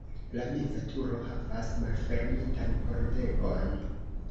La meza turo havas malfermitan pordegon.